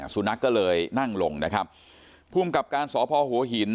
สุนัขก็เลยนั่งลงนะครับภูมิกับการสพหัวหิน